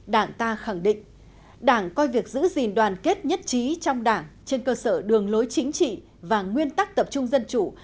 đảng ta khẳng định đảng coi việc giữ gìn đoàn kết nhất trí trong đảng trên cơ sở đường lối chính trị và nguyên tắc tập trung dân chủ